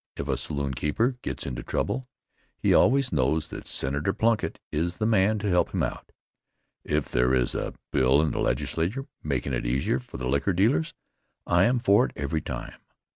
If a saloonkeeper gets into trouble he always knows that Senator Plunkitt is the man to help him out. If there is a bill in the Legislature makin' it easier for the liquor dealers, I am for it every time.